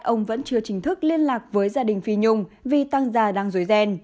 ông vẫn chưa chính thức liên lạc với gia đình phi nhung vì tăng già đang dối ghen